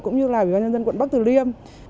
cũng như là ủy ban nhân dân quận bắc từ liêm